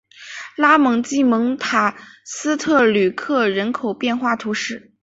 拉蒙济蒙塔斯特吕克人口变化图示